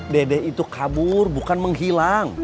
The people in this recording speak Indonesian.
dedek itu kabur bukan menghilang